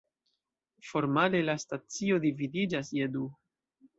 Formale, la stacio dividiĝas je du.